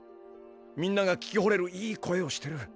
みんなが聞きほれるいい声をしてる。